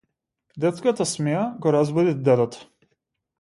Детската смеа го разбуди дедото.